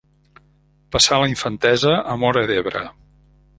Passà la infantesa a Móra d'Ebre.